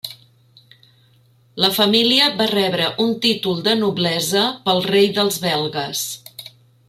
La família va rebre un títol de noblesa pel rei dels belgues.